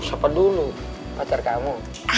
siapa dulu pacar kamu